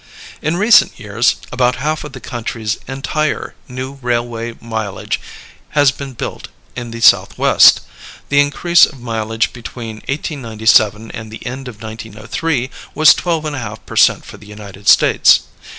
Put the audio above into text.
In recent years, about half of the country's entire new railway mileage has been built in the Southwest. The increase of mileage between 1897 and the end of 1903 was twelve and a half per cent for the United States.